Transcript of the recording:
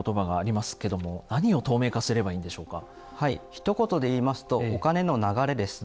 ひと言で言いますとお金の流れです。